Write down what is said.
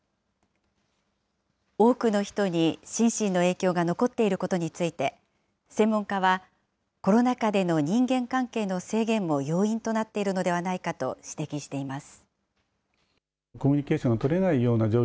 多くの人に心身の影響が残っていることについて、専門家はコロナ禍での人間関係の制限も要因となっているのではないかと指摘しています。